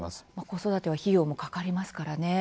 子育ては費用もかかりますからね。